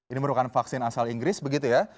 ini merupakan vaksin asal inggris begitu ya